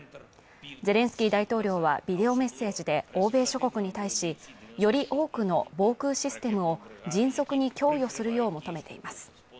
ゼレンスキー大統領は、ビデオメッセージで欧米諸国に対し、より多くの防空システムを迅速に供与するよう求めています。